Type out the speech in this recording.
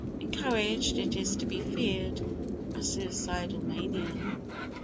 encouraged, it is to be feared, a suicidal mania.